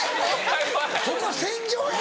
・ここは戦場や！